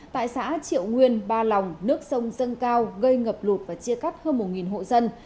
tại xã triệu nguyên ba lòng nước sông dâng cao gây ngập lụt và chia cắt hơn một hộ dân